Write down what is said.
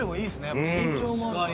やっぱ身長もあるから。